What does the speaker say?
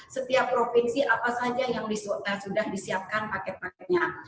setiap provinsi apa saja yang sudah disiapkan paket paketnya